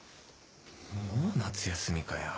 もう夏休みかよ。